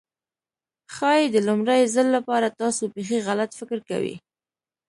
ښايي د لومړي ځل لپاره تاسو بيخي غلط فکر کوئ.